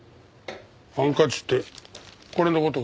ハンカチってこれの事か？